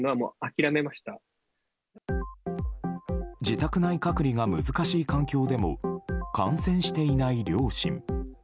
自宅内隔離が難しい環境でも感染していない両親。